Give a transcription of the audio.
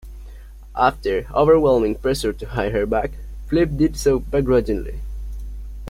After overwhelming pressure to hire her back, Phillips did so begrudgingly.